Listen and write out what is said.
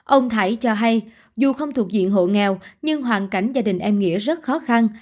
ông thái cho hay dù không thuộc diện hộ nghèo nhưng hoàn cảnh gia đình em nghĩa rất khó khăn